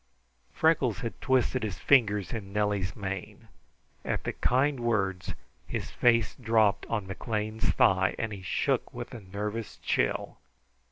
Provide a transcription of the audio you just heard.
Freckles had twisted his fingers in Nellie's mane. At the kind words his face dropped on McLean's thigh and he shook with a nervous chill.